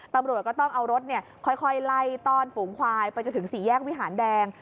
ตำรวจก็ต้องเอารถค่อยไล่ต้อนฝูงควายไปจนถึงสี่แยกวิหารแดง